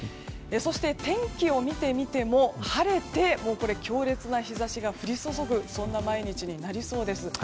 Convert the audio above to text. そして天気を見てみても晴れて強烈な日差しが降り注ぐそんな毎日になりそうです。